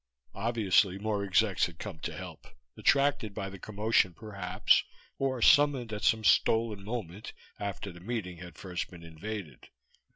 Obviously more execs had come to help, attracted by the commotion perhaps, or summoned at some stolen moment after the meeting had first been invaded.